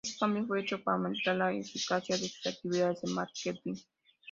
Este cambio fue hecho para aumentar la eficacia de sus actividades de márketing.